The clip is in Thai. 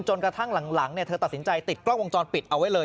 กระทั่งหลังเธอตัดสินใจติดกล้องวงจรปิดเอาไว้เลย